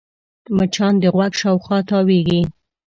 مچان د غوږ شاوخوا تاوېږي